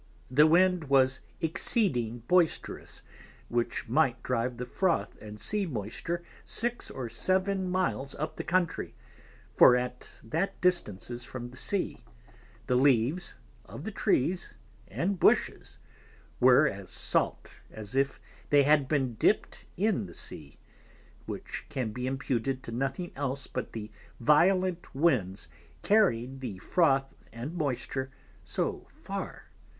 The Wind was exceeding Boisterous, which might drive the Froth and Sea moisture six or seven miles up the Country, for at that distances from the Sea, the Leaves of the Trees and Bushes, were as Salt as if they had been dipped in the Sea, which can be imputed to nothing else, but the Violent Winds carrying the Froth and Moisture so far.